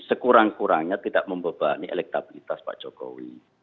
sekurang kurangnya tidak membebani elektabilitas pak jokowi